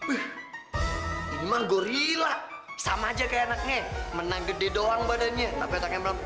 ini mah gorila sama aja kayak anaknya menang gede doang badannya tapi otaknya melepap